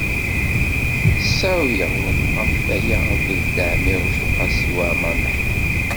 I tessawled ɣef waya akked Dda Ɛmiiruc u Qasi Waɛmer n Ḥmed?